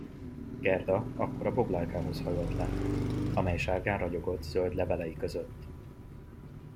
Gerda akkor a boglárkához hajolt le, amely sárgán ragyogott zöld levelei között.